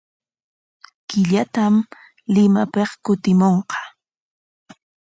Killatam Limapik kutimunqa.